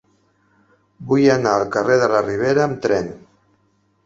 Vull anar al carrer de la Ribera amb tren.